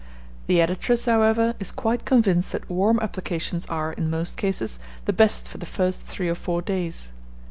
The editress, however, is quite convinced that warm applications are, in most cases, the best for for the first three or four days.